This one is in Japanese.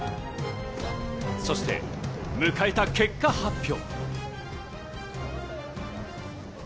そして迎えた結果発表。